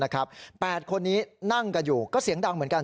๘คนนี้นั่งกันอยู่ก็เสียงดังเหมือนกัน